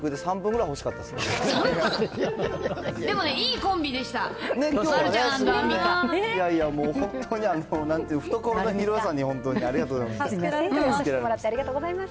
いやいやもう、本当になんか、懐の広さに本当にありがとうございます。